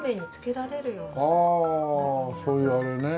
ああそういうあれね。